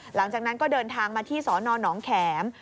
หลังจากนั้นก็เดินทางมาที่สนหนองแข็ม